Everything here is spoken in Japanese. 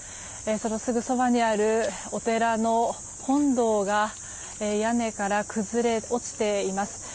そのすぐそばにあるお寺の本堂が屋根から崩れ落ちています。